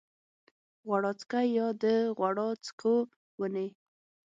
غوړاڅکی یا د غوړاڅکو ونې